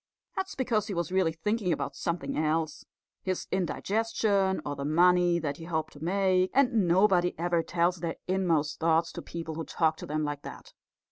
That's because he was really thinking about something else his indigestion or the money that he hoped to make; and nobody ever tells their inmost thoughts to people who talk to them like that.